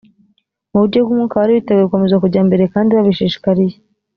mu buryo bw umwuka bari biteguye gukomeza kujya mbere kandi babishishikariye